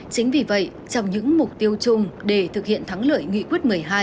chính vì vậy trong những mục tiêu chung để thực hiện thắng lợi nghị quyết một mươi hai